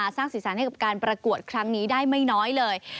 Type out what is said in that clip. สร้างสีสันให้กับการประกวดครั้งนี้ได้ไม่น้อยเลย